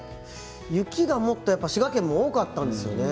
雪がもっと滋賀県多かったんですよね。